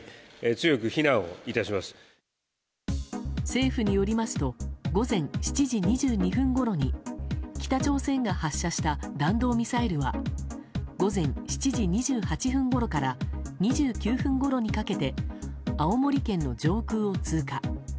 政府によりますと午前７時２２分ごろに北朝鮮が発射した弾道ミサイルは午前７時２８分ごろから２９分ごろにかけて青森県の上空を通過。